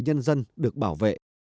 nhân dân được bảo vệ